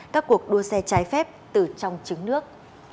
các cuộc đua xe trái phép từ trong chứng nước